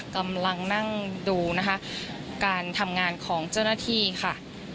กำลังนั่งดูนะคะการทำงานของเจ้าหน้าที่ค่ะ